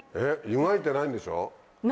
湯がいてないんでしょ？